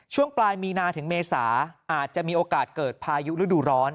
ช่วงปลายมีนาถึงเมษาอาจจะมีโอกาสเกิดพายุฤดูร้อน